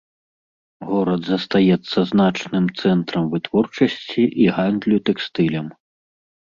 Горад застаецца значным цэнтрам вытворчасці і гандлю тэкстылем.